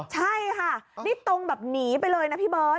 ใช่ค่ะนี่ตรงแบบหนีไปเลยนะพี่เบิร์ต